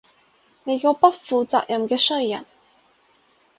你個不負責任嘅衰人